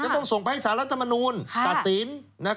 ต้องส่งไปให้สารรัฐมนูลตัดสิน